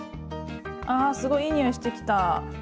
ああすごいいい匂いしてきた！